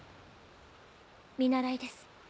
見習いです。